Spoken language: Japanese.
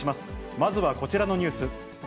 まずはこちらのニュース。